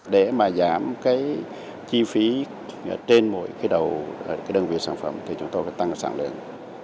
để mà giảm cái chi phí trên mỗi cái đầu đơn vị sản phẩm thì chúng tôi phải tăng sản lượng